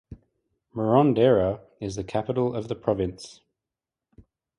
Marondera is the capital of the province.